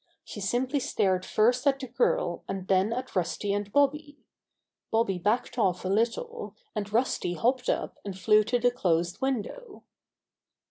She simply stared first at the girl and then at Rusty and Bobby. Bobby backed off a little, and Rusty hopped up and flew to the closed window.